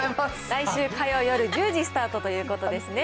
来週火曜夜１０時スターということですね。